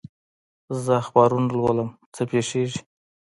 زه اخبارونه لولم، څه پېښېږي؟